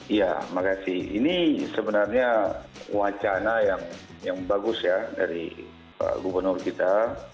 iya terima kasih ini sebenarnya wacana yang bagus ya dari gubernur kita